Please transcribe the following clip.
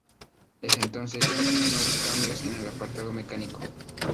Desde entonces ya no hubo nuevos cambios en el apartado mecánico.